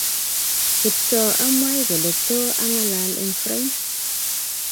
Kiptooa amwai kole to angalal eng French